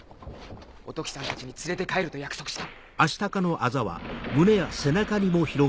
おトキさんたちに連れて帰ると約束した。